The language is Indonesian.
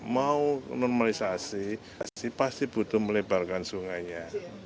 mau normalisasi pasti butuh melebarkan sungainya